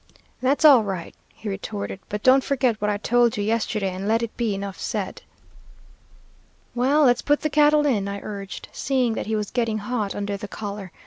"'That's all right,' he retorted, 'but don't forget what I told you yesterday, and let it be enough said.' "'Well, let's put the cattle in,' I urged, seeing that he was getting hot under the collar.